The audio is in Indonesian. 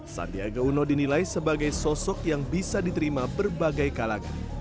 sandiaga uno dinilai sebagai sosok yang bisa diterima berbagai kalangan